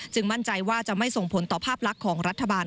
มั่นใจว่าจะไม่ส่งผลต่อภาพลักษณ์ของรัฐบาล